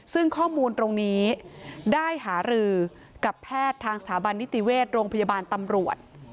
ซึ่งข้อมูลตรงนี้ได้หารือกับแพทย์ทางสถาบันนิติเวชโรงพยาบาลตำรวจ